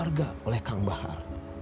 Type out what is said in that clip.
yang dianggap keluarga oleh kang bahar